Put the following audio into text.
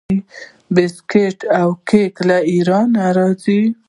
بسکیټ او کیک له ایران راځي.